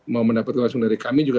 mau mendapatkan langsung dari kami juga